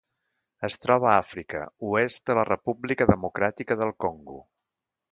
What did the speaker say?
Es troba a Àfrica: oest de la República Democràtica del Congo.